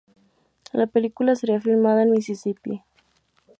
La película sería filmada en Mississippi.